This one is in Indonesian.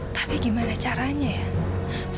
tapi gimana caranya ya